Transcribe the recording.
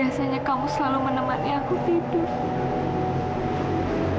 biasanya kamu selalu menemani aku tidur